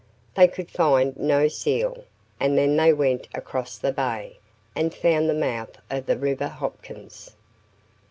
They could find no seal, and then they went across the bay, and found the mouth of the river Hopkins.